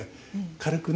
軽くね。